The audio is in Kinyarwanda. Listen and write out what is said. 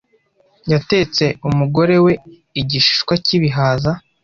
yatetse umugore we igishishwa cyibihaza.